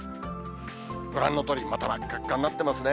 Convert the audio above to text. ご覧のとおり、また真っ赤っかになってますね。